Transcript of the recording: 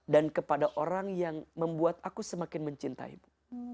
dan kepada orang yang membuat aku semakin mencintaimu